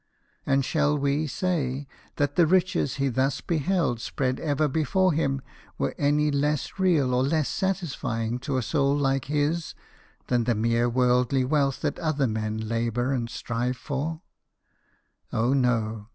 And shall we say that the riches he thus beheld spread ever before him were any less real or less satisfying to a soul like his than the mere worldly wealth that other men labour and strive for ? Oh no.